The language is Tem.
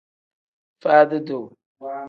Faadi-duu.